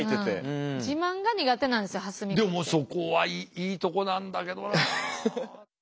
でもそこはいいとこなんだけどな。